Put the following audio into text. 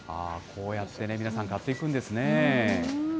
こうやってね、皆さん買っていくんですね。